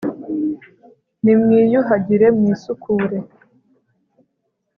nimwiyuhagire, mwisukure